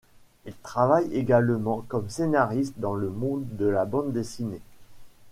Il travaille également comme scénariste dans le monde de la bande dessinée.